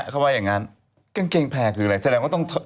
เขาว่าอย่างงั้นกางเกงแพร่คืออะไรแสดงว่าต้อง